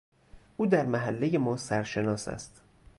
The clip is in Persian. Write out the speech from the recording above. او در محلهی ما سرشناس است.